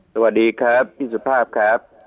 สวัสดีครับพี่สุภาพครับ